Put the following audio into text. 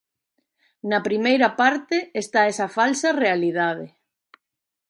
Na primeira parte está esa falsa realidade.